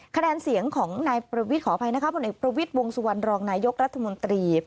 คะแนนเสียงของนายประวิทย์ขออภัยนะคะผลเอกประวิทย์วงสุวรรณรองนายกรัฐมนตรี